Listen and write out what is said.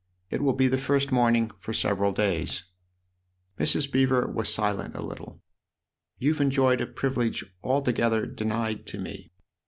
It will be the first morning for several days." Mrs. Beever was silent a little. " You've enjoyed a privilege altogether denied to me."